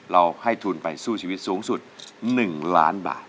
ให้ทุนไปสู้ชีวิตสูงสุด๑ล้านบาท